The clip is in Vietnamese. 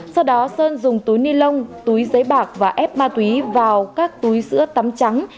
sau đó sơn dùng túi ni lông túi giấy bạc và ép ma túy vào các túi sữa tắm trắng